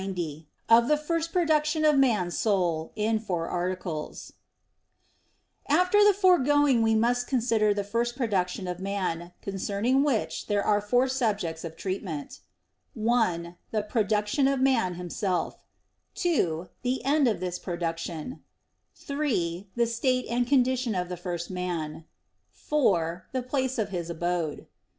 _______________________ QUESTION 90 OF THE FIRST PRODUCTION OF MAN'S SOUL (In Four Articles) After the foregoing we must consider the first production of man, concerning which there are four subjects of treatment: (1) the production of man himself; (2) the end of this production; (3) the state and condition of the first man; (4) the place of his abode.